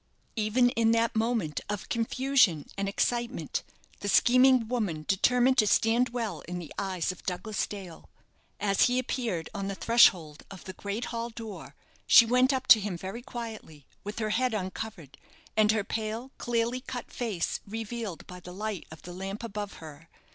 Even in that moment of confusion and excitement, the scheming woman determined to stand well in the eyes of Douglas Dale. As he appeared on the threshold of the great hall door, she went up to him very quietly, with her head uncovered, and her pale, clearly cut face revealed by the light of the lamp above her.